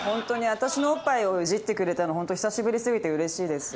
私のオッパイをイジってくれたの久しぶり過ぎてうれしいです。